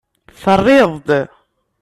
Terriḍ-d.